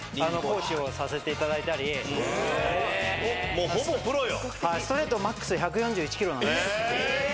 もうほぼプロよ。